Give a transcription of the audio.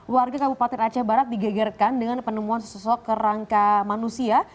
warga kabupaten aceh barat digegerkan dengan penemuan sesosok kerangka manusia